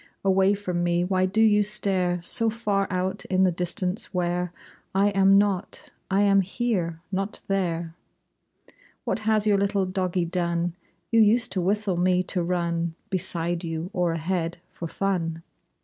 Away from me why do you stare So far out in the distance where I am not? I am here! Not there! What has your little doggie done? You used to whistle me to run Beside you, or ahead, for fun!